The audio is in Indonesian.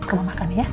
rumah makan ya